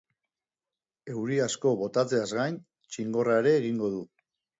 Euri asko botatzeaz gain, txingorra ere egingo du.